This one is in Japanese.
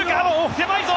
狭いぞ！